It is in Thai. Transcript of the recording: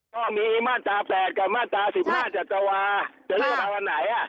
ก็มีมาตรา๘กับมาตรา๑๕จักรวาจะเลือกเอาอันไหน